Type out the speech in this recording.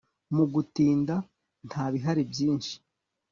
Mugutinda nta bihari byinshi